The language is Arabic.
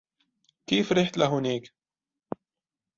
كيف رحت لهونيك ؟